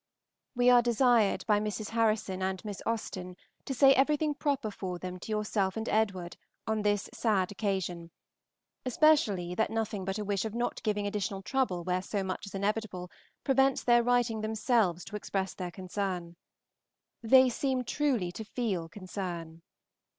We are desired by Mrs. Harrison and Miss Austen to say everything proper for them to yourself and Edward on this sad occasion, especially that nothing but a wish of not giving additional trouble where so much is inevitable prevents their writing themselves to express their concern. They seem truly to feel concern.